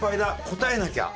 答えなきゃ」。